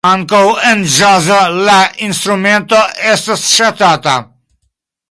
Ankaŭ en ĵazo la instrumento estas ŝatata.